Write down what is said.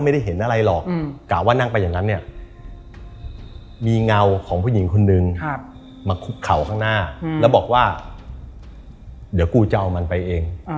เดี่ยวผมจะเอามันไปเอง